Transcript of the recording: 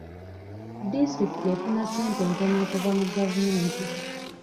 Disitulikiti efuna ssente ntono okuva mu gavumenti.